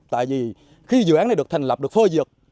tại vì khi dự án này được thành lập được phơi dược